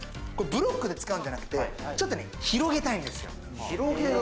ブロックで使うんじゃなくて、もっと広げたいんですよ。